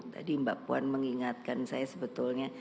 tadi mbak puan mengingatkan saya sebetulnya